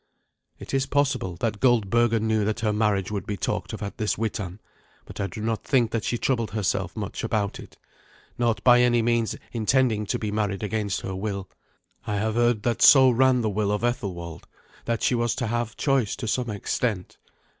It is possible that Goldberga knew that her marriage would be talked of at this Witan: but I do not think that she troubled herself much about it, not by any means intending to be married against her will. I have heard that so ran the will of Ethelwald, that she was to have choice to some extent.